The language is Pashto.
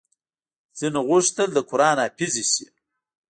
ځينو غوښتل د قران حافظې شي